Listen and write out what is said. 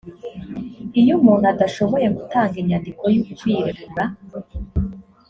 iyo umuntu adashoboye gutanga inyandiko y’ukwiregura